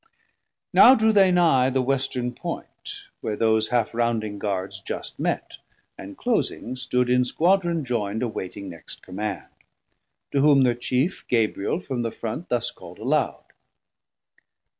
Now drew they nigh The western point, where those half rounding guards Just met, & closing stood in squadron joind Awaiting next command. To whom thir Chief Gabriel from the Front thus calld aloud.